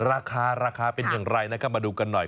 ราคาราคาเป็นอย่างไรนะครับมาดูกันหน่อย